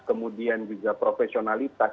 kemudian juga profesionalitas